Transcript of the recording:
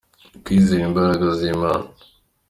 kwizera imbaraga z’Imana